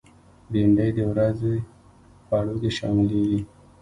بېنډۍ د ورځې خوړو کې شاملېږي